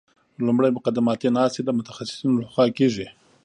لومړی مقدماتي ناستې د متخصصینو لخوا کیږي